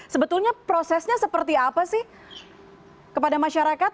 sebetulnya prosesnya seperti apa sih kepada masyarakat